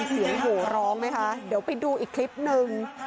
มีเสียงโหร้ร้องไหมคะเดี๋ยวไปดูอีกคลิปหนึ่ง